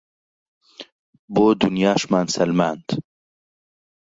بۆ دونیاشمان سەلماند